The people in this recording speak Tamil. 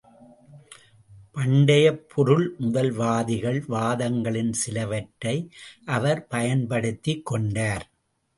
பண்டையப் பொருள்முதல்வாதிகள் வாதங்களின் சிலவற்றை அவர் பயன்படுத்திக் கொண்டார்.